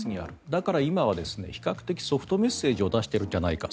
だから今は比較的ソフトメッセージを出しているんじゃないか。